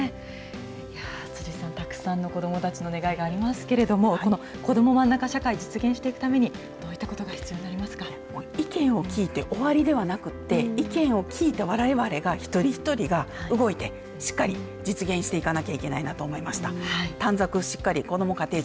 辻さん、たくさんの子どもたちの願いがありますけれどもこの、こどもまんなか社会実現していくためにどういったことが意見を聞いて終わりではなくて意見を聞いてわれわれが一人一人が動いてしっかり実現していかなければいけないなと思いました。